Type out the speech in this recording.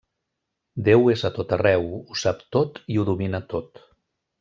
Déu és a tot arreu, ho sap tot i ho domina tot.